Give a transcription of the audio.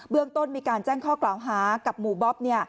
เรื่องต้นมีการแจ้งข้อกล่าวหากับหมู่บ๊อบ